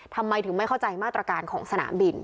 ทำไมถึงไม่เข้าใจมาตรการของสนามบิน